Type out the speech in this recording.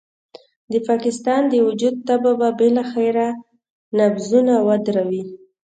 د پاکستان د وجود تبه به بالاخره نبضونه ودروي.